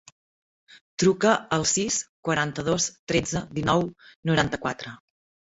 Truca al sis, quaranta-dos, tretze, dinou, noranta-quatre.